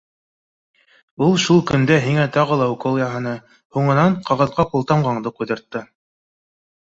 Ул шул көндә һиңә тағы ла укол яһаны, һуңынан ҡағыҙға ҡултамғаңды ҡуйҙыртты.